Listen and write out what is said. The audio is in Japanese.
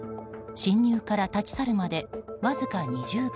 侵入から立ち去るまでわずか２０秒。